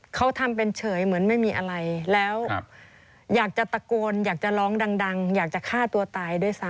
เขาทำเป็นเฉยเหมือนไม่มีอะไรแล้วอยากจะตะโกนอยากจะร้องดังอยากจะฆ่าตัวตายด้วยซ้ำ